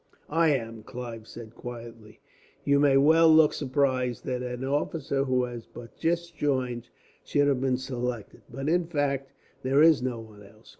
"I am," Clive said quietly. "You may well look surprised that an officer who has but just joined should have been selected; but in fact, there is no one else.